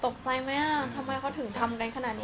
ตกใจไหมอ่ะทำไมเขาถึงทำกันขนาดนี้